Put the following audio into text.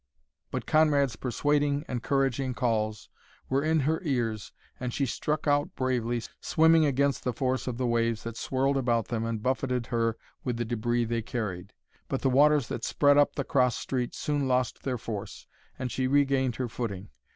But Conrad's persuading, encouraging calls were in her ears and she struck out bravely, swimming against the force of the waves that swirled about them and buffeted her with the debris they carried. But the waters that spread up the cross street soon lost their force, and she regained her footing.